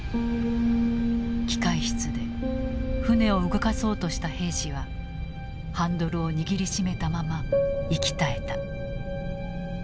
機械室で船を動かそうとした兵士はハンドルを握りしめたまま息絶えた。